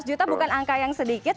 sebelas juta bukan angka yang sedikit